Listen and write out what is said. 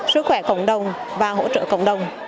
sức khỏe cộng đồng và hỗ trợ cộng đồng